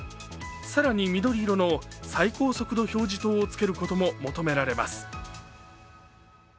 更に緑色の最高速度表示灯をつけることも求められます。